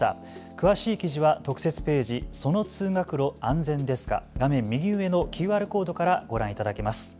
詳しい記事は特設ページ、その通学路、安全ですか、画面右上のＱＲコードからご覧いただけます。